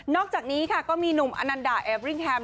อกจากนี้ค่ะก็มีหนุ่มอนันดาแอบริ่งแฮม